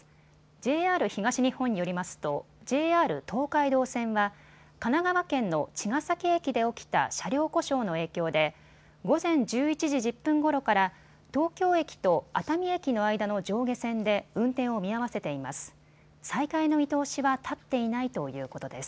ＪＲ東日本によりますとＪＲ東海道線は神奈川県の茅ヶ崎駅で起きた車両故障の影響で午前１１時１０分ごろから東京駅と熱海駅の間の上下線で運転を見合わせています。